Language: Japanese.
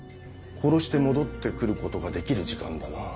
殺して戻って来ることができる時間だな。